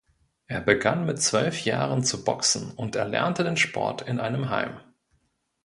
Er begann mit zwölf Jahren zu boxen und erlernte den Sport in einem Heim.